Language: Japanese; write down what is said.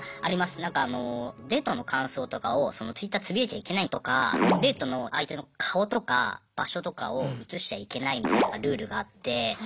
何かあのデートの感想とかをＴｗｉｔｔｅｒつぶやいちゃいけないとかデートの相手の顔とか場所とかを写しちゃいけないみたいなルールがあって。